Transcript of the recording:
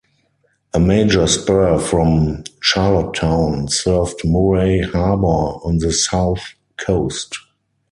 A major spur from Charlottetown served Murray Harbour on the south coast.